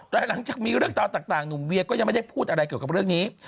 แต่หลังจากมีเรื่องราวต่างหนุ่มเวียก็ยังไม่ได้พูดอะไรเกี่ยวกับเรื่องนี้